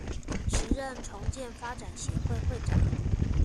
時任重建發展協會會長